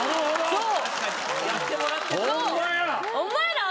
そう。